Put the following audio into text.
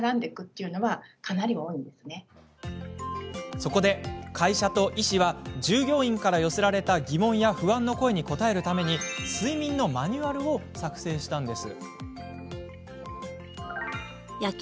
そこで、会社と医師は従業員から寄せられた疑問や不安の声に答えるため睡眠のマニュアルを作成したんです。